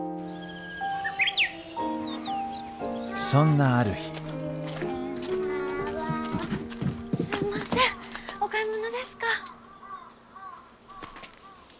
そんなある日あっすんませんお買い物ですか？